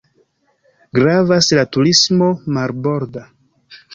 Gravas la turismo marborda.